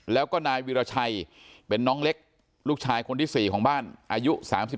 แล้วก็นายวิราชัยเป็นน้องเล็กลูกชายคนที่๔ของบ้านอายุ๓๒